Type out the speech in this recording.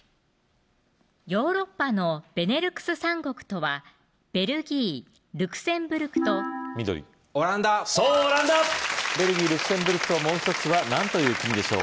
ヨーロッパのベネルクス三国とはベルギー・ルクセンブルクと緑オランダそうオランダベルギー・ルクセンブルクともう１つは何という国でしょう